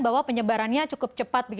bahwa penyebarannya cukup cepat